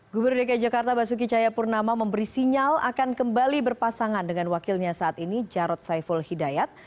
gubernur dki jakarta basuki cahayapurnama memberi sinyal akan kembali berpasangan dengan wakilnya saat ini jarod saiful hidayat